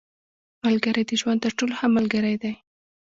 • ملګری د ژوند تر ټولو ښه ملګری دی.